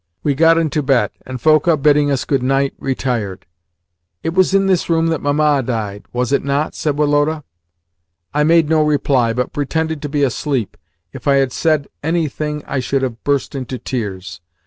We got into bed, and Foka, bidding us good night, retired. "It was in this room that Mamma died, was it not?" said Woloda. I made no reply, but pretended to be asleep. If I had said anything I should have burst into tears.